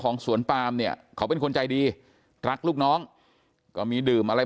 สวนปามเนี่ยเขาเป็นคนใจดีรักลูกน้องก็มีดื่มอะไร